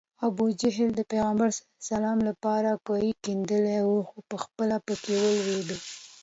ابوجهل د پیغمبر ص لپاره کوهی کیندلی و خو پخپله پکې ولوېد